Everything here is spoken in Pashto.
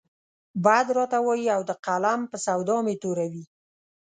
بد راته وايي او د قلم په سودا مې توره وي.